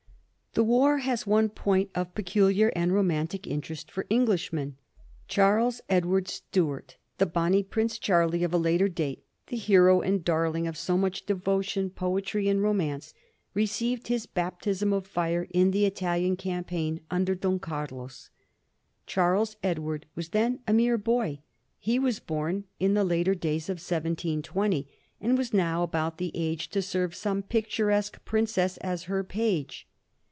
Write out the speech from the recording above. The war has one point of peculiar and romantic inter est for Englishmen. Charles Edward Stuart, the ^^bonnie Prince Charlie " of a later date, the hero and darling of so much devotion, poetry, and romance, received his bap tism of fire in the Italian campaign under Don Carlos. Charles Edward was then a mere boy. He was born in the later days of 1720, and was now about the age to serve some picturesque princess as her page.